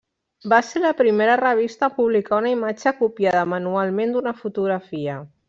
Va ser la primera revista a publicar una imatge copiada manualment d'una fotografia.